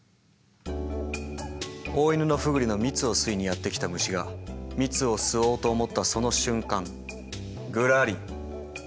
オオイヌノフグリの蜜を吸いにやって来た虫が蜜を吸おうと思ったその瞬間グラリと揺れてしまいました。